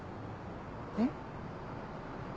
えっ？